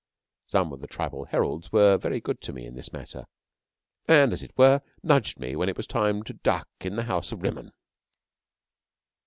Some of the Tribal Heralds were very good to me in this matter, and, as it were, nudged me when it was time to duck in the House of Rimmon.